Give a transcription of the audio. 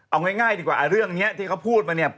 เอาง่ายดีกว่าเรื่องนี้ที่เขาพูดมาเนี่ย